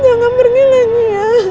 jangan berlilang ya